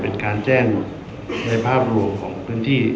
เป็นการแจ้งในภาพรวมของพื้นที่